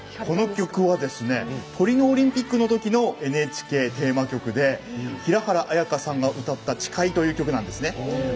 この曲はトリノオリンピックのときのＮＨＫテーマ曲で平原綾香さんが歌った「誓い」という曲なんですね。